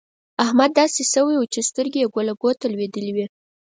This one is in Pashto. احمد داسې شوی وو چې سترګې يې کولکو ته لوېدلې وې.